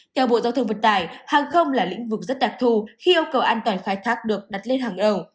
theo bộ giao thông vận tải hàng không là lĩnh vực rất đặc thù khi yêu cầu an toàn khai thác được đặt lên hàng đầu